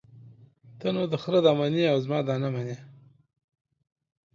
ته نو دخره ده منې او زما ده نه منې.